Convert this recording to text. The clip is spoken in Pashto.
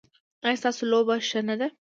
ایا ستاسو لوبه ښه نه ده؟